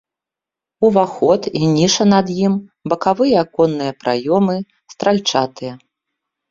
Уваход і ніша над ім, бакавыя аконныя праёмы стральчатыя.